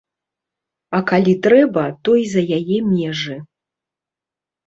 А калі трэба, то і за яе межы.